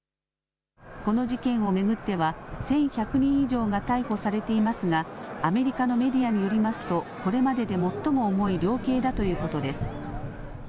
この事件を巡っては１１００人以上が逮捕されていますがアメリカのメディアによりますとこれまでで最も重い量刑だということです。